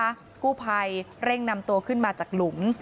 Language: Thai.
กู้ภัยเร่งนำตัวขึ้นมาจากหลุม